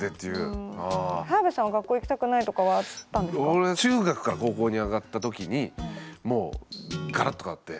俺中学から高校に上がった時にもうガラッと変わって。